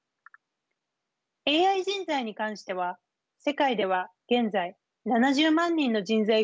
ＡＩ人材に関しては世界では現在７０万人の人材が不足しているといわれています。